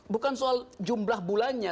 bukan soal jumlah bulannya